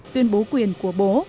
tuyên bố quyền của bố